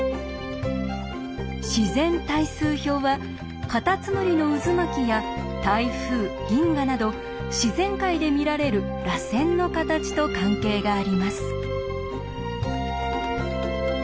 自然対数表はかたつむりの渦巻きや台風銀河など自然界で見られる「らせん」の形と関係があります。